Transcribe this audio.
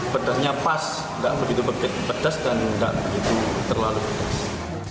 pedasnya pas tidak begitu pedas dan tidak begitu terlalu pedas